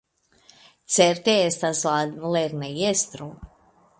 Certe estas la lernejestro.